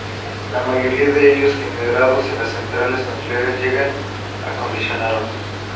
La mayoría de ellos, generados en las centrales nucleares, llegan acondicionados.